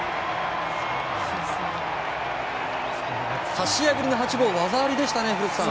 ８試合ぶりの８号は技ありでしたね、古田さん。